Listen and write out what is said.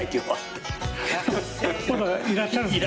まだいらっしゃるんですね。